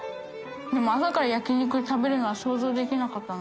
でも朝から焼き肉食べるのは杼できなかったな。